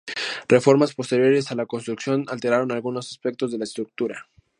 Reformas posteriores a la construcción alteraron algunos aspectos de la estructura.